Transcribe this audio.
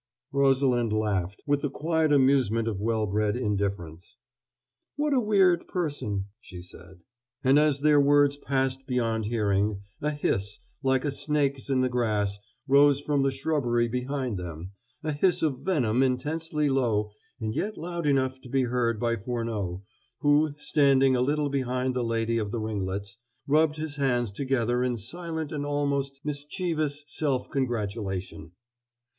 Rosalind laughed, with the quiet amusement of well bred indifference. "What a weird person!" she said. And as their words passed beyond hearing, a hiss, like a snake's in the grass, rose from the shrubbery behind them, a hiss of venom intensely low, and yet loud enough to be heard by Furneaux, who, standing a little behind the lady of the ringlets, rubbed his hands together in silent and almost mischievous self congratulation.